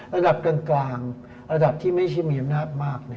ระดับกลางระดับที่ไม่ใช่มีอำนาจมาก